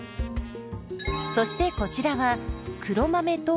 そしてこちらは黒豆ともち。